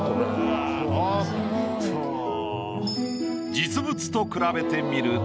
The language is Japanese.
実物と比べてみると。